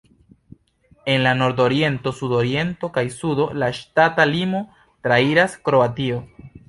En la nordoriento, sudoriento kaj sudo, la ŝtata limo trairas Kroatio.